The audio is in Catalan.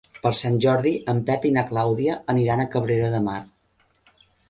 Per Sant Jordi en Pep i na Clàudia aniran a Cabrera de Mar.